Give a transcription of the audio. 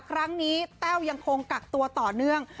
ครั้งนี้แต้วยังคงกักตัวต่อเนื่อง